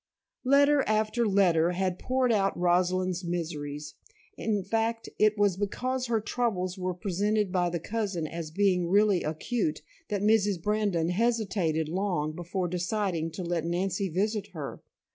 Letter after letter had poured out Rosalind's miseries, in fact it was because her troubles were presented by the cousin as being really acute, that Mrs. Brandon hesitated long before deciding to let Nancy visit her.